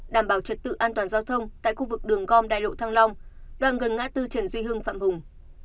đảm bảo trật tự an toàn giao thông tại khu vực đường gom đại lộ thăng long đoạn gần ngã tư trần duy hưng phạm hùng